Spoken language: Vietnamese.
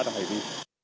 đã hỏi gì